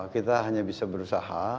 kita hanya bisa berusaha